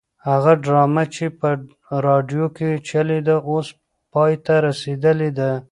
هغه ډرامه چې په راډیو کې چلېده اوس پای ته رسېدلې ده.